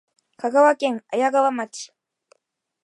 香川県綾川町